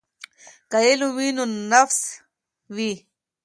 که علم وي نو نفس وي.